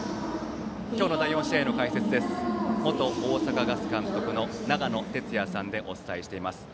今日の第４試合の解説は元大阪ガス監督の長野哲也さんでお伝えしています。